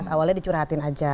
awalnya dicurhatin aja